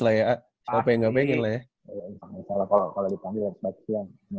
kalau di kamping batasnya mah itu